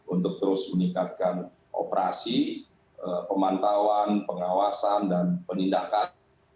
untuk terus meningkatkan operasi pemantauan pengawasan dan penindakan